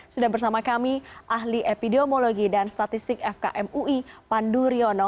sudah bersama kami ahli epidemiologi dan statistik fkm ui pandu riono